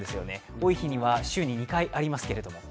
多いときには週に２回ありますけれども。